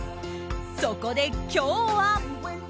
そこで今日は！